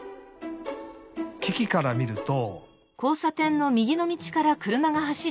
キキからみると。